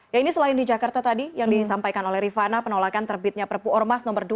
ya ini selain di jakarta tadi yang disampaikan oleh rifana penolakan terbitnya perpu ormas nomor dua